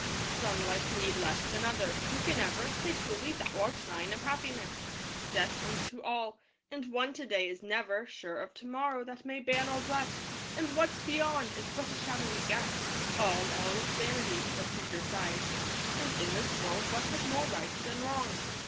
II Some lives need less than others. Who can ever Say truly "Thou art mine," of Happiness? Death comes to all. And one, to day, is never Sure of to morrow, that may ban or bless; And what's beyond is but a shadowy guess. "All, all is vanity," the preacher sighs; And in this world what has more right than Wrong?